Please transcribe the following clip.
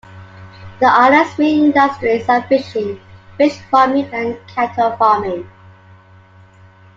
The island's main industries are fishing, fish farming and cattle farming.